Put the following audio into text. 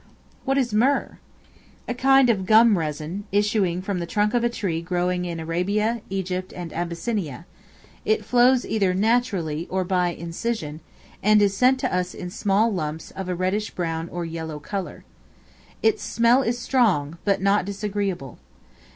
What is Myrrh? A kind of gum resin, issuing from the trunk of a tree growing in Arabia, Egypt, and Abyssinia; it flows either naturally, or by incision; and is sent to us in small lumps of a reddish brown or yellow color. Its smell is strong, but not disagreeable.